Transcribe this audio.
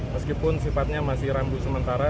meskipun sifatnya masih rambu sementara